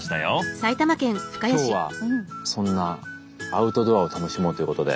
今日はそんなアウトドアを楽しもうということで。